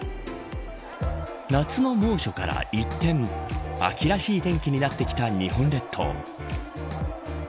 夏の猛暑から一転秋らしい天気になってきた日本列島。